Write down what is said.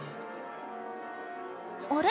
あれ？